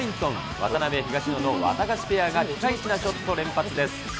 渡辺・東野のワタガシペアが、ピカイチなショット連発です。